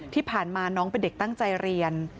ที่ผ่านมาน้องเป็นเด็กตั้งใจเรียน